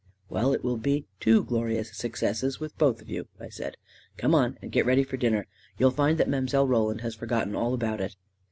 " Well, it will be two glorious successes with both of you," I said. " Come on and get ready for r dinner. You'll find that Mile. Roland has for gotten all about it